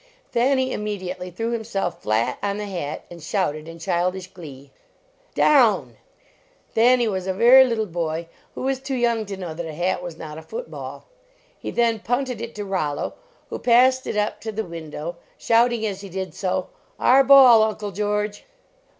Thanny immediately threw himself flat on the hat, and shouted in childish glee, down !" Thanny was a very little boy, who was too young to know that a hat was not a foot ball. He then punted it to Rollo, who passed it up to the window, shouting as he did so, "our ball, Uncle George!"